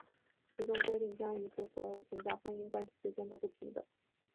其中规定将移除所有存在于婚姻关系之间的不平等。